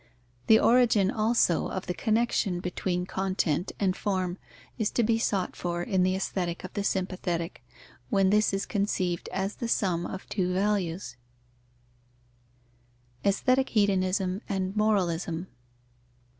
The origin, also, of the connexion between content and form is to be sought for in the Aesthetic of the sympathetic, when this is conceived as the sum of two values. _Aesthetic hedonism and moralism.